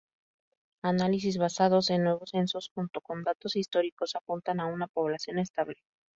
Análisis basados en nuevos censos, junto con datos históricos, apuntan a una población estable.